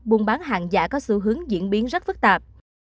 buôn bán hàng giả có xu hướng diễn biến rất phức tạp